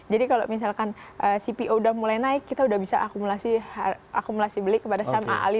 jadi kalau misalkan cpo udah mulai naik kita udah bisa akumulasi beli kepada sam a'ali